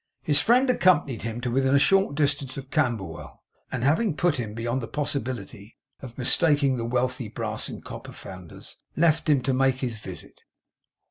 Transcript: His friend accompanied him to within a short distance of Camberwell and having put him beyond the possibility of mistaking the wealthy brass and copper founder's, left him to make his visit.